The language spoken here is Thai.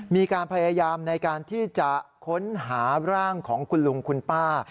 มีการพยายามในการที่จะค้นหาร่างของคุณลุงคุณป้า